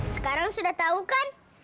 sekarang sudah tau kan